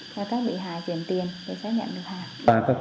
cho các bị hại chuyển tiền để xác nhận được hàng